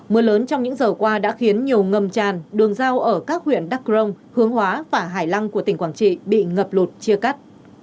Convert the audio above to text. mưa lớn trong những giờ qua đã khiến nhiều ngầm tràn đường giao ở các huyện đắk rông hướng hóa và hải lăng của tỉnh quảng trị bị ngập lụt chia cắt